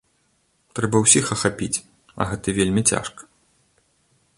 Трэба ўсіх ахапіць, а гэта вельмі цяжка.